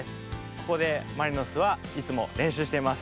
ここでマリノスはいつもれんしゅうしてます。